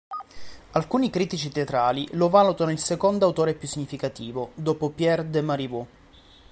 Alcuni critici teatrali lo valutano il secondo autore più significativo, dopo Pierre de Marivaux.